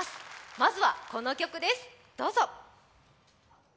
まずはこの曲です、どうぞ。